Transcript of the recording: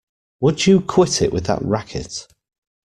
Would you quit it with that racket!